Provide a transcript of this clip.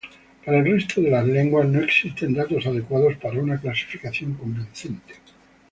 Para el resto de lenguas no existen datos adecuados para una clasificación convincente.